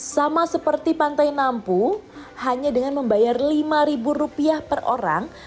sama seperti pantai nampu hanya dengan membayar lima rupiah per orang